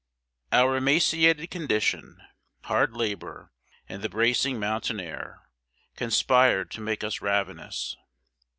Our emaciated condition, hard labor, and the bracing mountain air, conspired to make us ravenous.